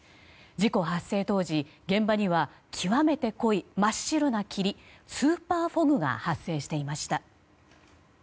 事故発生当時、現場には極めて濃い真っ白な霧スーパーフォグが発生していました。